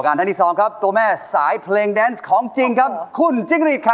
ครั้งที่แล้วเป็นยังไงกันบ้างครับพี่คะ